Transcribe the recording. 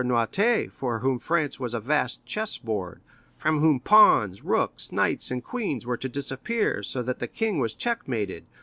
Noirtier, for whom France was a vast chess board, from which pawns, rooks, knights, and queens were to disappear, so that the king was checkmated—M.